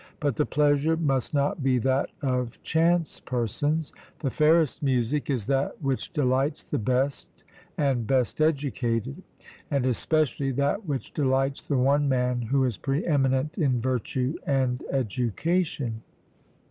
But the pleasure must not be that of chance persons; the fairest music is that which delights the best and best educated, and especially that which delights the one man who is pre eminent in virtue and education.